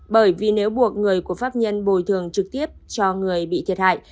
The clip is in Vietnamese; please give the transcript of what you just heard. bởi vì nếu buộc người của pháp nhân bồi thường trực tiếp cho người bị thiệt hại